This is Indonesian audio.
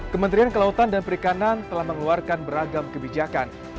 kementerian kelautan dan perikanan telah mengeluarkan beragam kebijakan